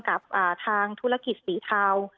กับทางธุรกิจสีเทา